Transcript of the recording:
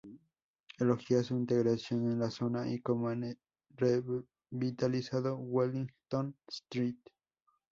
Elogia su integración en la zona, y cómo han revitalizado Wellington Street.